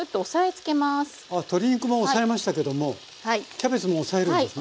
鶏肉も押さえましたけどもキャベツも押さえるんですね。